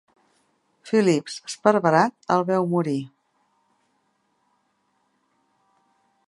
Philips, esparverat, el veu morir.